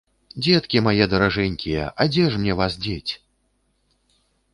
Дзеткі мае даражэнькія, а дзе ж мне вас дзець?